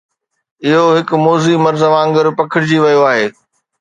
اهو هڪ موذي مرض وانگر پکڙجي ويو آهي